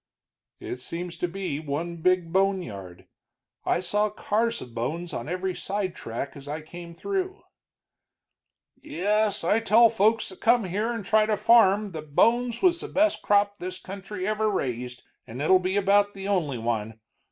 "It seems to be one big boneyard; I saw cars of bones on every sidetrack as I came through." "Yes, I tell folks that come here and try to farm that bones was the best crop this country ever raised, and it'll be about the only one.